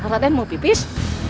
raden mau pipis